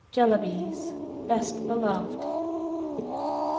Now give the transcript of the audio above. Jellabies (Best Beloved).